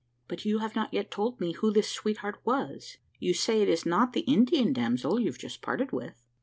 "But you have not yet told me who this sweetheart was? You say it is not the Indian damsel you've just parted with?"